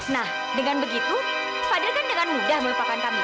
nah dengan begitu fadil kan dengan mudah melupakan kami